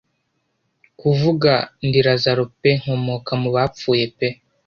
Kuvuga: "Ndi Lazaro pe nkomoka mu bapfuye pe